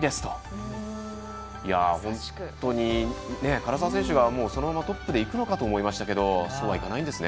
唐澤選手がそのままトップで行くのかと思いましたけどそうはいかないんですね。